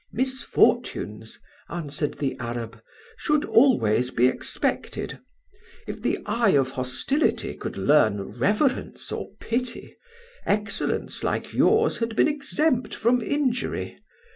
"'Misfortunes,' answered the Arab, 'should always be expected. If the eye of hostility could learn reverence or pity, excellence like yours had been exempt from injury.